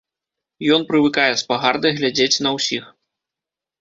Ён прывыкае з пагардай глядзець на ўсіх.